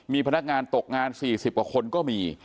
มีพนักงานตกงาน๔๐กว่าคนก็มี